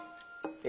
え